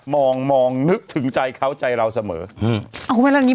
มองมองนึกถึงใจเขาใจเราเสมออืมเอาคุณแม่แล้วอย่างงี